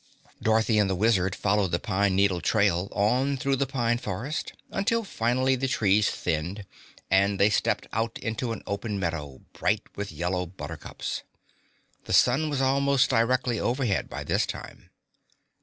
Dorothy and the Wizard followed the pine needle trail on through the Pine Forest until finally the trees thinned and they stepped out into an open meadow, bright with yellow buttercups. The sun was almost directly overhead by this time.